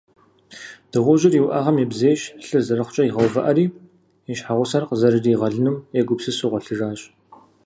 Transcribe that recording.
Дыгъужьыр и уӀэгъэм ебзейщ, лъыр, зэрыхъукӀэ игъэувыӀэри, и щхьэгъусэр къызэрыригъэлынум егупсысу гъуэлъыжащ.